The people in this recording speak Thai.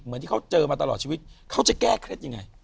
เหมือนที่เขาเจอมาตลอดชีวิตเขาจะแก้เคล็ดยังไง